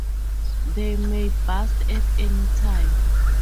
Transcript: They may burst at any time.